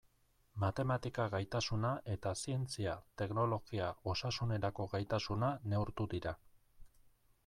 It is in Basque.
Matematika gaitasuna eta zientzia, teknologia, osasunerako gaitasuna neurtu dira.